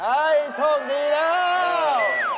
เฮ่ยโชคดีแล้ว